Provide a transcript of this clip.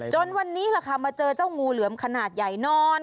วันนี้แหละค่ะมาเจอเจ้างูเหลือมขนาดใหญ่นอน